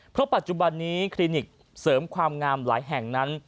เพราะปัจจุบันนี้คลินิกเสริมความงามหลายแห่งนั้น